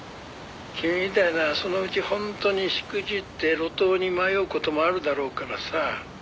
「君みたいなのはそのうち本当にしくじって路頭に迷う事もあるだろうからさ」